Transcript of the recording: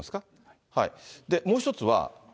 もう１つは。